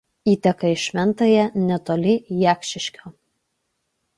Įteka į Šventąją netoli Jakšiškio.